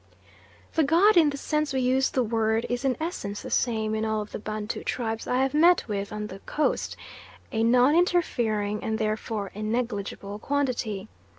The god, in the sense we use the word, is in essence the same in all of the Bantu tribes I have met with on the Coast: a non interfering and therefore a negligible quantity.